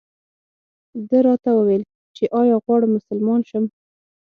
ده راته وویل چې ایا غواړم مسلمان شم.